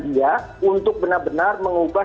dia untuk benar benar mengubah